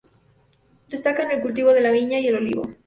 Destacan el cultivo de la viña y el olivo.